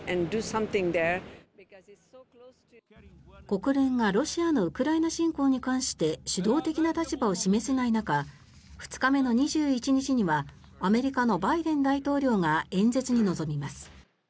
国連がロシアのウクライナ侵攻に関して主導的な立場を示せない中２日目の２１日にはアメリカのバイデン大統領が演説に臨みます。